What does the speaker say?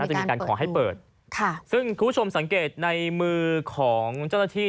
จะมีการขอให้เปิดค่ะซึ่งคุณผู้ชมสังเกตในมือของเจ้าหน้าที่